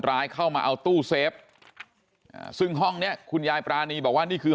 ร้ายเข้ามาเอาตู้เซฟอ่าซึ่งห้องเนี้ยคุณยายปรานีบอกว่านี่คือ